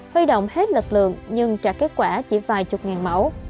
huy động hết lực lượng nhưng trả kết quả chỉ vài chục ngàn mẫu